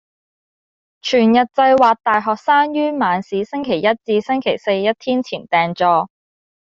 全日制或大學生於晚市星期一至星期四一天前訂座